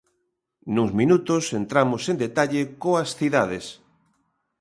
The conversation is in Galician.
Nuns minutos entramos en detalle coas cidades.